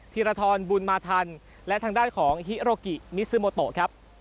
ธีรทรบุญมาทันและทางด้านของฮิโรกิมิซูโมโตะครับ